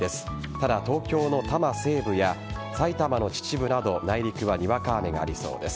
ただ、東京の多摩西部や埼玉・秩父など内陸部はにわか雨がありそうです。